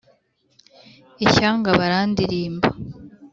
Ishyanga barandirimba